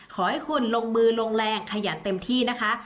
ขอให้คุณลงมือลงแรงขยันเต็มที่นะคะ